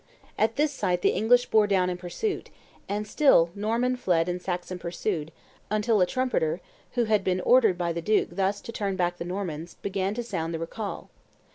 At this sight the English bore down in pursuit: "and still Norman fled and Saxon pursued, until a trumpeter, who had been ordered by the duke thus to turn back the Normans, began to sound the recall.